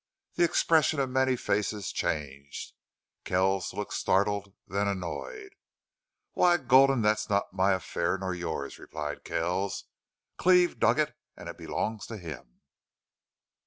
The expression of many faces changed. Kells looked startled, then annoyed. "Why, Gulden, that's not my affair nor yours," replied Kells. "Cleve dug it and it belongs to him."